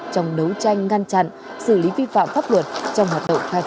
trong đấu tranh ngăn chặn xử lý vi phạm pháp luật trong hoạt động khai thác tài nguyên khoáng sản